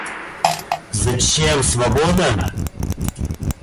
Зачем свобода?